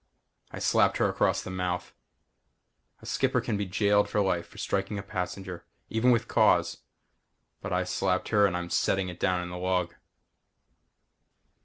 I slapped her across the mouth. A skipper can be jailed for life for striking a passenger. Even with cause. But I slapped her and I'm setting it down in the log....